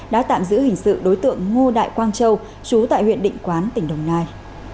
đã tạm giữ hình sự đối tượng ngô đại quang châu chú tại huyện định quán tỉnh đồng nai